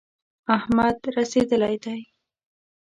احمد رسېدلی دی.